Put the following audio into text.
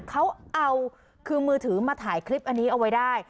เขาเอาคือมือถือมาถ่ายคลิปอันนี้เอาไว้ได้